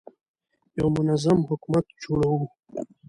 یو منظم حکومت جوړوو.